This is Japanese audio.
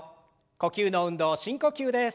呼吸の運動深呼吸です。